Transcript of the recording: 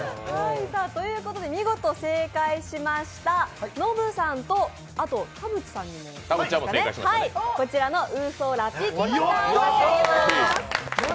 見事正解しましたノブさんと田渕さんにこちらのウーソーラッピーキーホルダーを差し上げます。